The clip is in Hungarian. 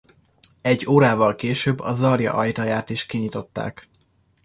Egy órával később a Zarja ajtaját is kinyitották.